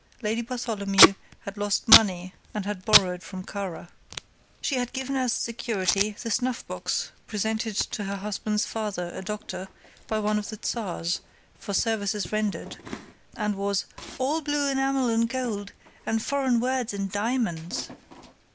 Lady Bartholomew had lost money and had borrowed from Kara. She had given as security, the snuffbox presented to her husband's father, a doctor, by one of the Czars for services rendered, and was "all blue enamel and gold, and foreign words in diamonds."